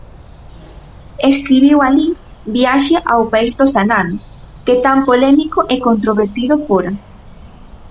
Escribiu alí 'Viaxe ao país dos ananos', que tan polémico e controvertido fora.